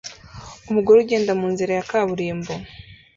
umugore ugenda munzira ya kaburimbo